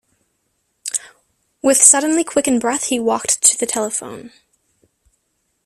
With suddenly quickened breath he walked to the telephone.